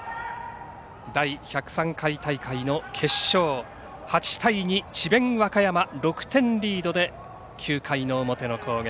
第１０３回大会の決勝８対２、智弁和歌山が６点リードで、９回の表の攻撃。